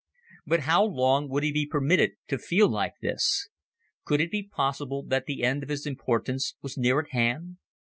But how long would he be permitted to feel like this? Could it be possible that the end of his importance was near at hand?